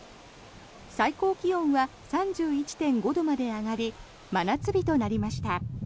最高気温は３１．５度まで上がり真夏日となりました。